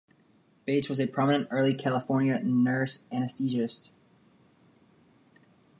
Bates was a prominent early California nurse anesthetist.